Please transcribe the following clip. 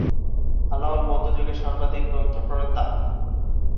আলাওল মধ্যযুগের সর্বাধিক গ্রন্থপ্রণেতা।